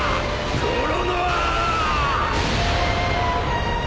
ロロノア！